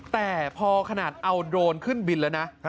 แต่พอขนาดเอาโดรนขึ้นบินแล้วนะ